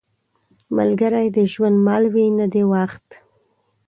ملګری د ژوند مل وي، نه د وخت.